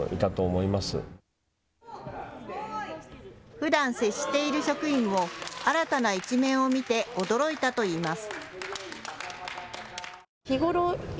ふだん接している職員も新たな一面を見て驚いたといいます。